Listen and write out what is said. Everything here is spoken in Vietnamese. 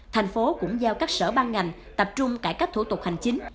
thành phố cũng giao các sở ban ngành tập trung cải cách thủ tục hành chính